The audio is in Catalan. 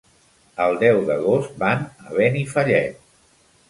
El deu d'agost van a Benifallet.